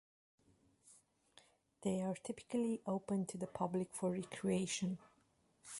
They are typically open to the public for recreation.